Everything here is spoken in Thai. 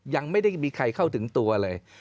ยังไม่ได้มีใครเข้าถึงตัวเลย